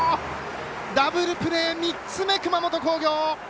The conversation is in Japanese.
ダブルプレー３つ目、熊本工業。